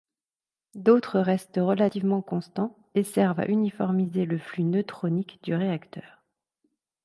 D'autres restent relativement constants, et servent à uniformiser le flux neutronique du réacteur.